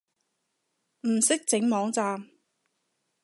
唔識整網站